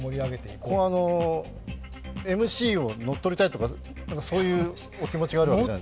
ここ、ＭＣを乗っ取りたいとかそういうお気持ちがあるわけじゃない？